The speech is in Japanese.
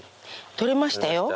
撮れましたよ。